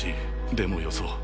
でもよそう。